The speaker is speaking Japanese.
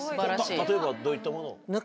例えばどういったものを？